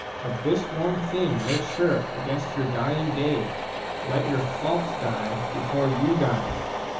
Of this one thing make sure against your dying day, — let your faults die before you die.